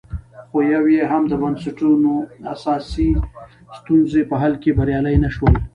خو یو یې هم د بنسټونو اساسي ستونزو په حل کې بریالي نه شول